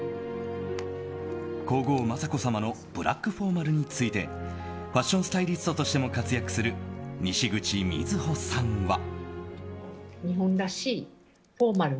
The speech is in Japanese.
皇后・雅子さまのブラックフォーマルについてファッションスタイリストとしても活躍するにしぐち瑞穂さんは。